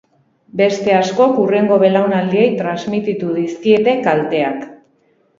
Beste askok hurrengo belaunaldiei transmititu dizkiete kalteak.